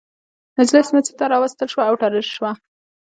نجلۍ سمڅې ته راوستل شوه او تړل شوه.